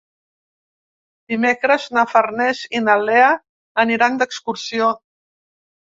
Dimecres na Farners i na Lea aniran d'excursió.